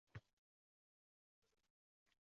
To’g’rirog’i —